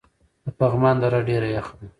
د پغمان دره ډیره یخه ده